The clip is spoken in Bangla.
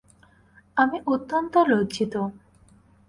আমি অত্যন্ত লজ্জিত।